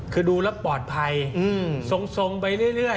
คือดูแล้วปลอดภัยทรงไปเรื่อย